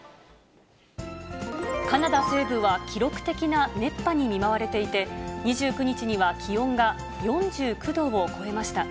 カナダ西部は記録的な熱波に見舞われていて、２９日には気温が４９度を超えました。